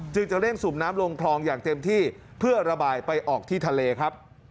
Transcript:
จะเร่งสูบน้ำลงคลองอย่างเต็มที่เพื่อระบายไปออกที่ทะเลครับ